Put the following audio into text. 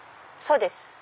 そうです。